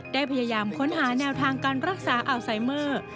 ได้พยายามค้นหาแนวทางการรักษาอัลไซเมอร์